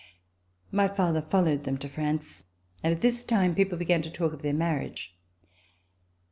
My father followed them to France, and at this time people began to talk of their marriage.